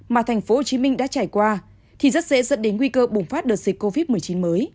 mà thành phố hồ chí minh đã trải qua thì rất dễ dẫn đến nguy cơ bùng phát đợt dịch covid một mươi chín mới